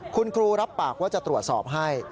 คุณครูรับปากว่าจะตรวจสอบให้